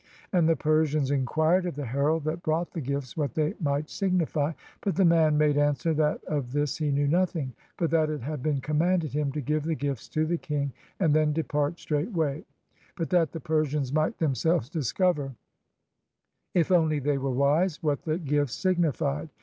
And the Persians inquired of the herald that brought the gifts what they might signify; but the man made answer that of this he knew nothing, but that it had been commanded him to give the gifts to the king and then depart straightway, but that the Persians might themselves discover, if only they were wise, what the gifts signified.